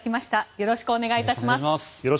よろしくお願いします。